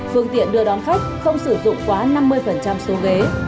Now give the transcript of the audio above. phương tiện đưa đón khách không sử dụng quá năm mươi số ghế